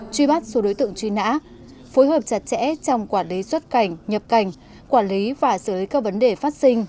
truy bắt số đối tượng truy nã phối hợp chặt chẽ trong quản lý xuất cảnh nhập cảnh quản lý và xử lý các vấn đề phát sinh